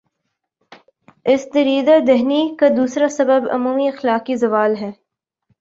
اس دریدہ دہنی کا دوسرا سبب عمومی اخلاقی زوال ہے۔